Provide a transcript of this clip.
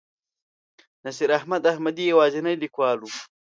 نصیر احمد احمدي یوازینی لیکوال و.